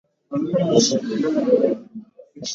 daraja la juu la titanic lilikusanya mamilionea